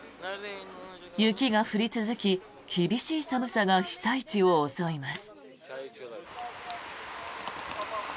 雪が降り続き、厳しい寒さが被災地を襲います。